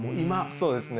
そうですね。